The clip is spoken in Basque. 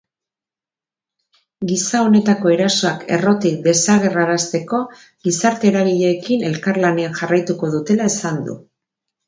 Gisa honetako erasoak errotik desagerrarazteko gizarte eragileekin elkarlanean jarraituko dutela esan du.